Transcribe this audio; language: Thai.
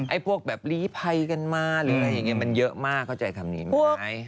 พวกแบบลีภัยกันมาหรืออะไรอย่างนี้มันเยอะมากเข้าใจคำนี้ไหม